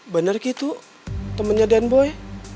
benar gitu temennya den boy